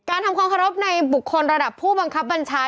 ทำความเคารพในบุคคลระดับผู้บังคับบัญชา